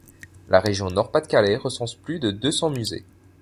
La région Nord-Pas-de-Calais recense plus de deux cents musées.